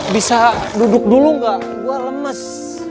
bisa duduk dulu nggak gue lemes